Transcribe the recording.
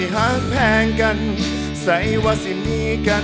ขอบคุณมาก